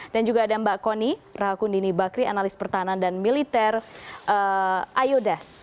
dan juga ada mbak kony rahakundini bakri analis pertahanan dan militer iodes